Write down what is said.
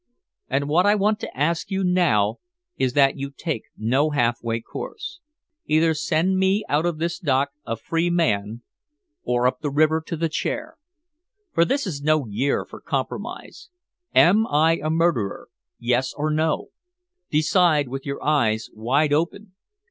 "And what I want to ask you now is that you take no halfway course. Either send me out of this dock a free man or up the river to the chair. For this is no year for compromise. Am I a murderer? Yes or no. Decide with your eyes wide open.